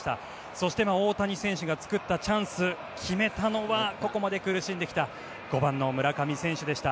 そして大谷選手が作ったチャンス決めたのはここまで苦しんできた５番の村上選手でした。